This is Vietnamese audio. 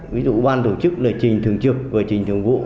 ví dụ ban tổ chức là trình thường trực và trình thường vụ